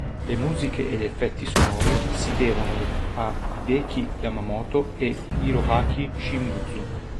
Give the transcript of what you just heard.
Le musiche e gli effetti sonori si devono a Hideki Yamamoto e Hiroaki Shimizu.